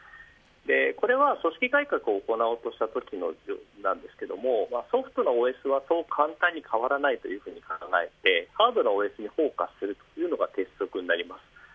これは組織改革を行おうとしたときのソフトのＯＳはそう簡単には変わらないというふうに考えてハードなＯＳにフォーカスするのが鉄則です。